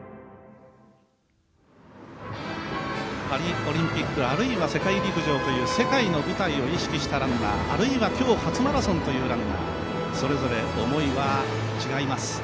パリオリンピックあるいは世界陸上という世界の舞台を意識したランナーあるいは今日、初マラソンというランナーそれぞれ思いは違います。